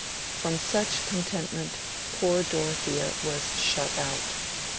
From such contentment poor Dorothea was shut out.